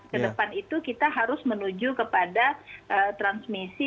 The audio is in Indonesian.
ke depan itu kita harus menuju kepada transmisi